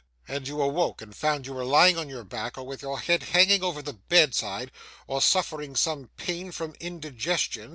'And you awoke, and found you were lying on your back, or with your head hanging over the bedside, or suffering some pain from indigestion?